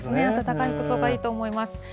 暖かい服装がいいと思います。